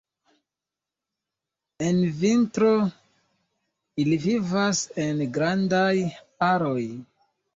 En vintro ili vivas en grandaj aroj.